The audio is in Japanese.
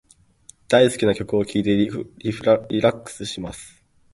大好きな曲を聞いてリラックスします。